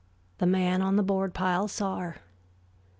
The man on the board pile saw her.